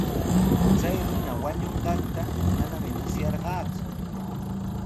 Chay runa wañunqanta manami musyarqaaku.